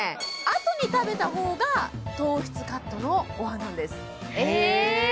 あとに食べた方が糖質カットのごはんなんですえ